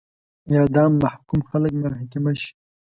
اعدام محکوم خلک محاکمه شي.